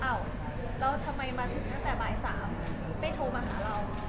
แล้วทำไมมาถึงตั้งแต่บ่าย๓ไม่โทรมาหาเรา